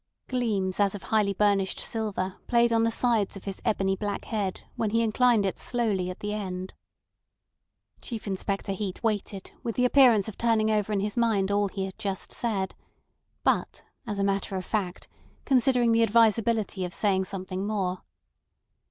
Gleams as of highly burnished silver played on the sides of his ebony black head when he inclined it slowly at the end. Chief Inspector Heat waited with the appearance of turning over in his mind all he had just said, but, as a matter of fact, considering the advisability of saying something more.